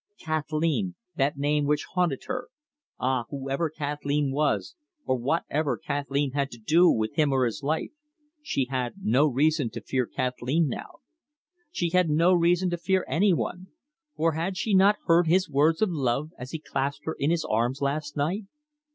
Kathleen, that name which had haunted her ah, whoever Kathleen was, or whatever Kathleen had to do with him or his life, she had no reason to fear Kathleen now. She had no reason to fear any one; for had she not heard his words of love as he clasped her in his arms last night?